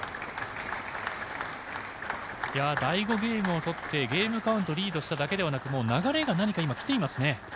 第５ゲームを取ってゲームカウントをリードしただけではなくもう流れが何か来ていますね。